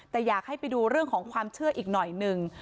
แต่อยากให้ไปดูเรื่องของความเชื่ออีกหน่อยหนึ่ง